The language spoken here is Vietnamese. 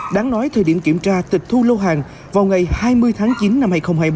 đáng nói thời điểm kiểm tra tịch thu lâu hàng vào ngày hai mươi tháng chín năm hai nghìn hai mươi ba